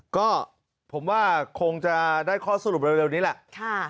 ก็ผมว่าคงจะได้ข้อสรุปเร็วนี้แหละ